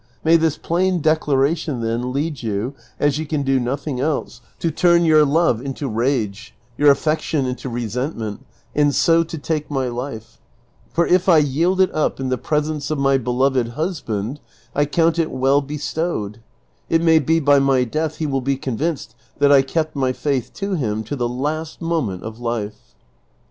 May this plain declaration, then, lead you, as you can do nothing else, to turn your love into rage, your affection into resentment, and so to take my life ; for if I yield it up in the presence of my beloved husband I count it well bestowed ; it may be by my death he will be convinced that I kept my faith to him to the last moment of life."